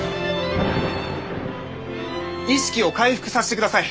意識を回復さしてください！